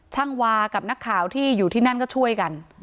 วากับนักข่าวที่อยู่ที่นั่นก็ช่วยกัน